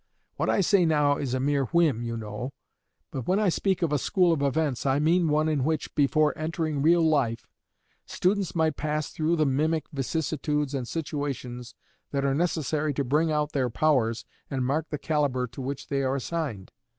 What I say now is a mere whim, you know; but when I speak of a school of events, I mean one in which, before entering real life, students might pass through the mimic vicissitudes and situations that are necessary to bring out their powers and mark the calibre to which they are assigned.